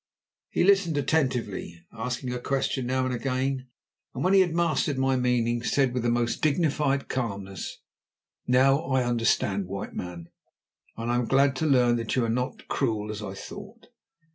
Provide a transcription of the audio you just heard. He listened attentively, asking a question now and again, and when he had mastered my meaning, said with a most dignified calmness: "Now I understand, White Man, and am glad to learn that you are not cruel, as I thought.